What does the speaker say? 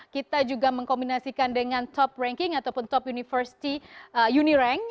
kita juga mengkombinasikan dengan top ranking ataupun top university uniran